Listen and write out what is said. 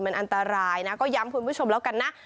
มันอันตรายนะก็ย้ำคุณผู้ชมแล้วกันนะ